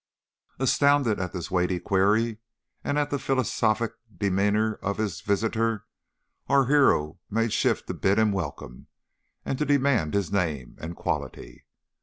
"Astounded at this weighty query, and at the philosophic demeanour of his visitor, our hero made shift to bid him welcome and to demand his name and quality.